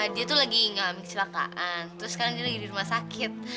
dia tuh lagi ngalamin kecelakaan terus sekarang dia lagi di rumah sakit